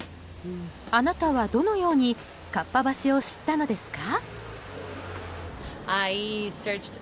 あなたは、どのようにかっぱ橋を知ったのですか？